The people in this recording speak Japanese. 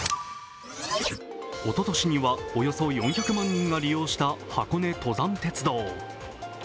おととしにはおよそ４００万人が利用した箱根登山鉄道。